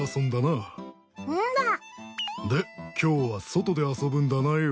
で今日は外で遊ぶんだなよ。